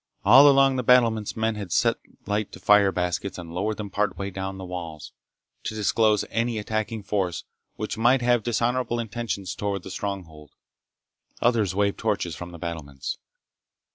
All along the battlements men had set light to fire baskets and lowered them partway down the walls, to disclose any attacking force which might have dishonorable intentions toward the stronghold. Others waved torches from the battlements.